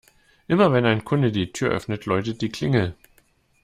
Immer, wenn ein Kunde die Tür öffnet, läutet die Klingel.